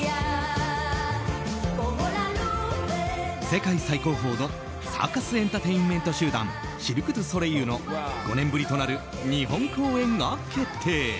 世界最高峰のサーカスエンターテインメント集団シルク・ドゥ・ソレイユの５年ぶりとなる日本公演が決定。